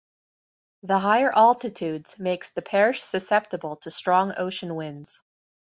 The higher altitudes makes the parish susceptible to strong ocean winds.